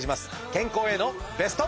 健康へのベスト。